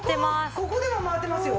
ここここでも回ってますよ。